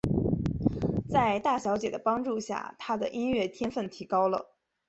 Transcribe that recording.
在大小姐的帮助下他的音乐天份提高了。